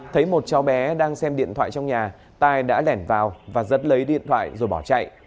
thấy một cháu bé đang xem điện thoại trong nhà tài đã lẻn vào và giật lấy điện thoại rồi bỏ chạy